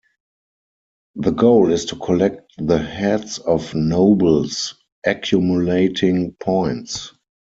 The goal is to collect the heads of Nobles, accumulating points.